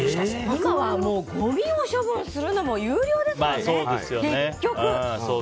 今はごみを処分するのも有料ですからね、結局。